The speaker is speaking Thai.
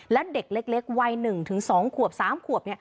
และเด็กเล็กวัย๑๒ขวบ๓ขวบ